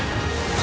あ！